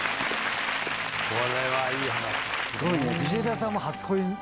これはいい話！